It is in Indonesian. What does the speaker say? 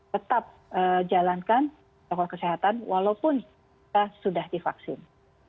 tetap jalankan protokol kesehatan walaupun kita sudah divaksin